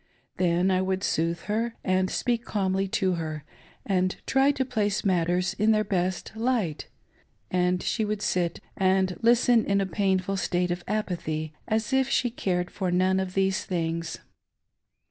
Then I would soothe her, and speak calmly to her, and try to place matters in their best light ; and she would sit and listen in a painful state of apathy as if she cared for none of these things.